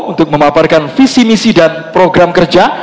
untuk memaparkan visi misi dan program kerja